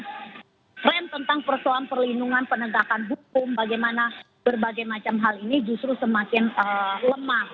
trend tentang persoalan perlindungan penegakan hukum bagaimana berbagai macam hal ini justru semakin lemah